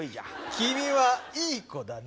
君はいい子だね。